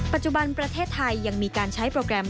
ปัจจุบันประเทศไทยยังมีการใช้โปรแกรม